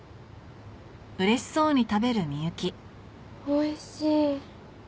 おいしい！